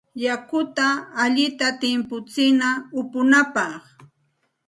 Yakuta allinta timputsina upunapaq.